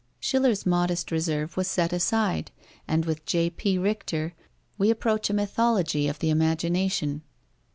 Schiller's modest reserve was set aside, and with J.P. Richter we approach a mythology of the imagination.